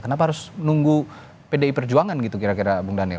kenapa harus menunggu pdi perjuangan gitu kira kira bung daniel